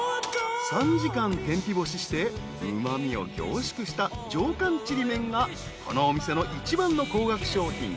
［３時間天日干ししてうま味を凝縮した上干ちりめんがこのお店の一番の高額商品］